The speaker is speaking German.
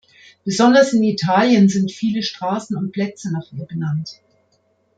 Besonders in Italien sind viele Straßen und Plätze nach ihr benannt.